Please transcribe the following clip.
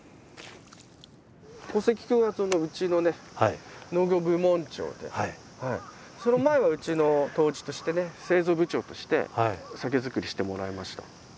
小関君はうちのね農業部門長でその前はうちの杜氏としてね製造部長として酒造りしてもらいました。